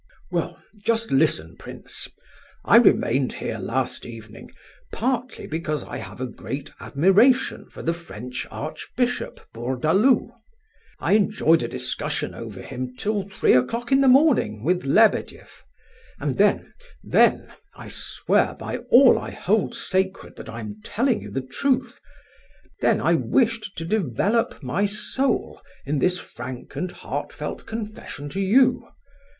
"Well, just listen, prince. I remained here last evening, partly because I have a great admiration for the French archbishop Bourdaloue. I enjoyed a discussion over him till three o'clock in the morning, with Lebedeff; and then... then—I swear by all I hold sacred that I am telling you the truth—then I wished to develop my soul in this frank and heartfelt confession to you.